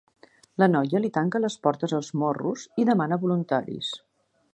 La noia li tanca les portes als morros i demana voluntaris.